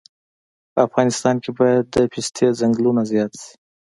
په افغانستان کې باید د پستې ځنګلونه زیات شي